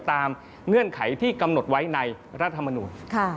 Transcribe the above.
เงื่อนไขที่กำหนดไว้ในรัฐมนูล